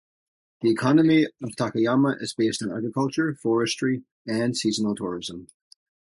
The economy of Takayama is based on agriculture, forestry, and seasonal tourism.